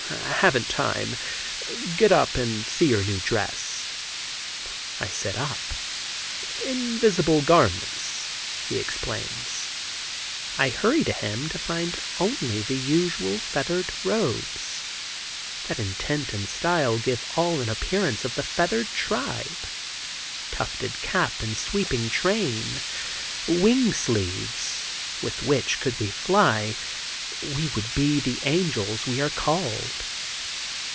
"Haven't time. Get up and see your new dress." I sit up. "Invisible garments," he explains. I hurry to him to find only the usual feathered robes, that in tint and style give all an appearance of the feathered tribe. Tufted cap and sweeping train; wing sleeves, with which, could we fly, we would be the angels we are called.